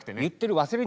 言ってる。